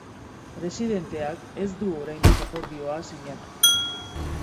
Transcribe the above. Presidenteak ez du oraindik akordioa sinatu.